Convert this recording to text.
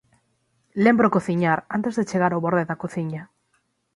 Lembro cociñar antes de chegar ao borde da cociña.